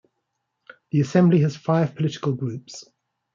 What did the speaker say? The Assembly has five political groups.